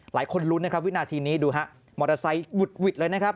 หลายคนลุ้นนะครับวินาทีนี้ดูฮะมอเตอร์ไซค์หวุดหวิดเลยนะครับ